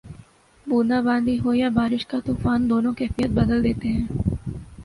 بوندا باندی ہو یا بارش کا طوفان، دونوں کیفیت بدل دیتے ہیں